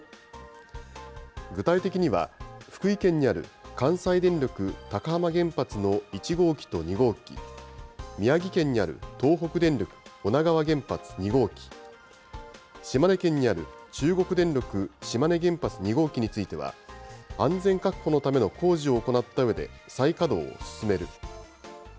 具体的には福井県にある関西電力高浜原発の１号機と２号機、宮城県にある東北電力女川原発２号機、島根県にある中国電力島根原発２号機については、安全確保のための工事を行ったうえで、再稼働を進める。